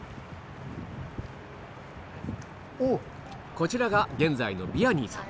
こちらが現在のヴィアニーさん